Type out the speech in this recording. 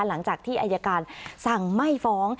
หลังจากที่อายการสั่งไม่ฟ้อง